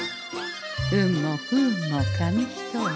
運も不運も紙一重。